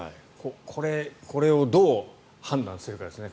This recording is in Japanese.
これをどう判断するかですね。